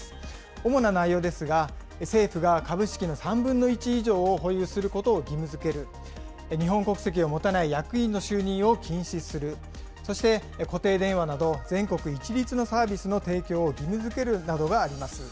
主な内容ですが、政府が株式の３分の１以上を保有することを義務づける、日本国籍を持たない役員の就任を禁止する、そして、固定電話など全国一律のサービスの提供を義務づけるなどがあります。